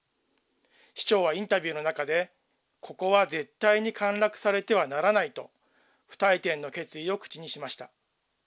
市長はインタビューの中で、ここは絶対に陥落されてはならないと、不退転の決意を口にしました。